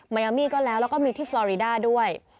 ยามี่ก็แล้วแล้วก็มีที่ฟลอริดาด้วย